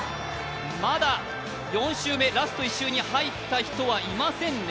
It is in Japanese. まだ４周目、ラスト１周に入った人はいませんね。